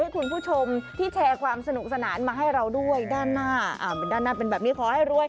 ให้คุณผู้ชมที่แชร์ความสนุกสนานมาให้เราด้านหน้า